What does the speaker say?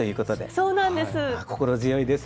そうなんです。